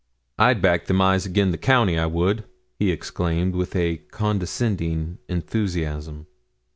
'I'd back them eyes again' the county, I would,' he exclaimed, with a condescending enthusiasm.